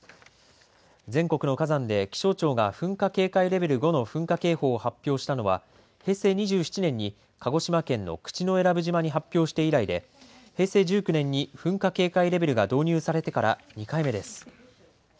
全国の火山で気象庁が噴火警戒レベル５の噴火警報を発表したのは、平成２７年に鹿児島県の口永良部島に発表して以来で、平成１９年に噴火警戒レベルが導入されてから２回目です。